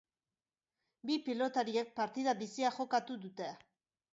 Bi pilotariek partida bizia jokatu dute.